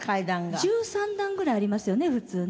１３段ぐらいありますよね普通ね。